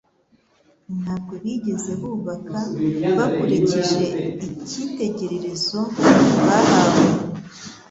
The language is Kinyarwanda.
Ntabwo bigeze bubaka bakurikije icyitegererezo bahawe,